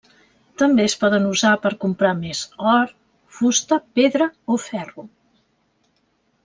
També es poden usar per comprar més or, fusta, pedra o ferro.